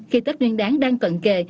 khi tết nguyên đáng đang cận kề